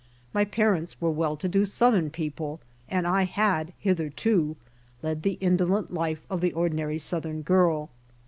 My parents were well to do Southern people, and I had hitherto led the indolent life of the ordinary Southern girl.